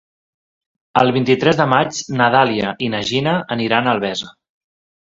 El vint-i-tres de maig na Dàlia i na Gina aniran a Albesa.